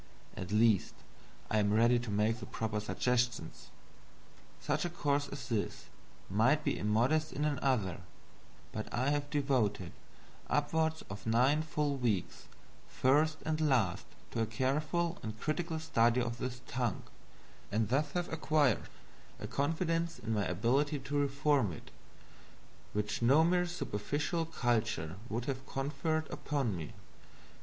At least I am ready to make the proper suggestions. Such a course as this might be immodest in another; but I have devoted upward of nine full weeks, first and last, to a careful and critical study of this tongue, and thus have acquired a confidence in my ability to reform it which no mere superficial culture could have conferred upon me.